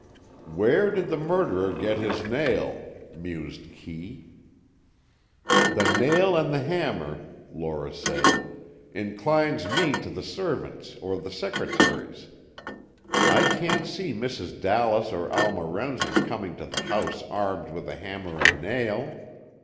"Where did the murderer get his nail?" mused Kee. "The nail and the hammer," Lora said, "inclines me to the servants, or the secretaries. I can't see Mrs. Dallas or Alma Remsen coming to the house armed with a hammer and nail!